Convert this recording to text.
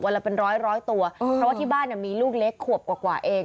ละเป็นร้อยร้อยตัวเพราะว่าที่บ้านมีลูกเล็กขวบกว่าเอง